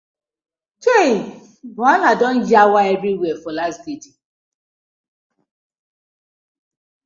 Chei, wahala don yawa everywhere for lasgidi.